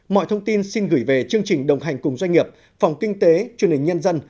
mọi thông tin xin gửi về chương trình đồng hành cùng doanh nghiệp phòng kinh tế truyền hình nhân dân